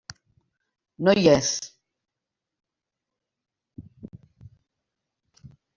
No hi és.